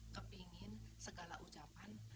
kepingin segala ucapan